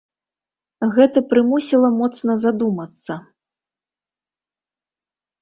Гэта прымусіла моцна задумацца.